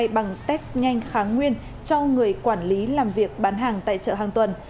bằng test nhanh kháng nguyên cho người quản lý làm việc bán hàng tại chợ hàng tuần